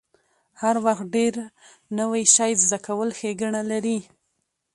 هر وخت ډیر نوی شی زده کول ښېګڼه لري.